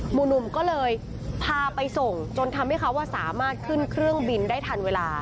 หมู่หนุ่มก็เลยพาไปส่งจนทำให้เขาสามารถขึ้นเครื่องบินได้ทันเวลา